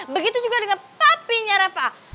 begitu juga dengan papinya rafa